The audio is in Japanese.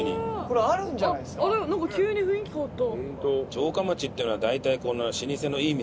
なんか急に雰囲気変わった。